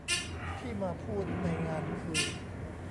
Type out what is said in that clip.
ที่มาพูดในงานคือ